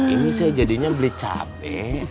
ini saya jadinya beli cabai